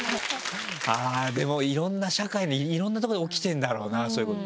でもいろんな社会のいろんなとこで起きてるんだろうなそういうこと。